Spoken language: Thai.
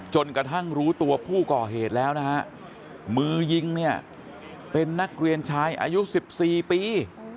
จนกระทั่งรู้ตัวผู้ก่อเหตุแล้วนะฮะมือยิงเนี่ยเป็นนักเรียนชายอายุ๑๔ปี